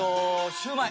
シューマイ？